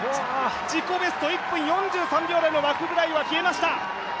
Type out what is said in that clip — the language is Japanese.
自己ベスト１分４３秒台のマクブライドが消えました。